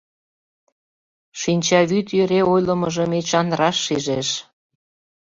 Шинчавӱд йӧре ойлымыжым Эчан раш шижеш.